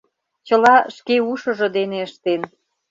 Чыла шке ушыжо дене ыштен.